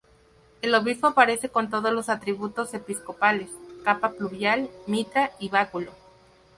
El obispo aparece con todos sus atributos episcopales: capa pluvial, mitra y báculo.